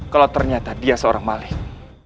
kalau ternyata dia seorang maling